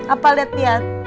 apa lihat dia